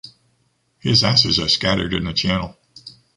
His ashes are scattered in the Channel.